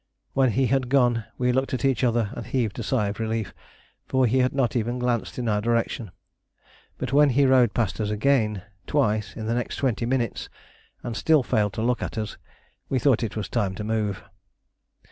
When he had gone we looked at each other and heaved a sigh of relief, for he had not even glanced in our direction; but when he rode past us again twice in the next twenty minutes and still failed to look at us, we thought it was time to move.